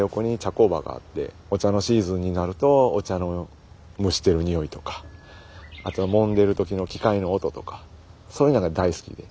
工場があってお茶のシーズンになるとお茶の蒸してる匂いとかあともんでる時の機械の音とかそういうのが大好きで。